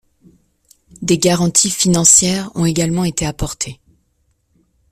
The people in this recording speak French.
Des garanties financières ont également été apportées.